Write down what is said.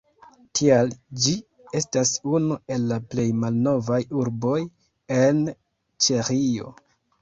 Tial ĝi estas unu el la plej malnovaj urboj en Ĉeĥio.